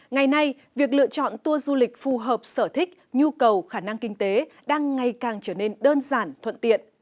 ngày nay việc lựa chọn tour du lịch phù hợp sở thích nhu cầu khả năng kinh tế đang ngày càng trở nên đơn giản thuận tiện